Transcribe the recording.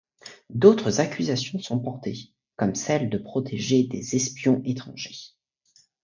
D'autres accusations sont portées, comme celle de protéger des espions étrangers.